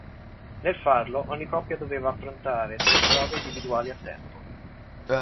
Nel farlo, ogni coppia doveva affrontare tre prove individuali a tempo.